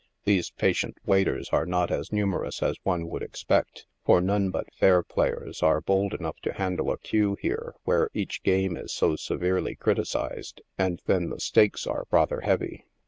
These patient waiters are not as numerous as one would expect, for none but fair players are bold enough to handle a cue here where each game is so severely criticised, and then the stakes are rather heavy.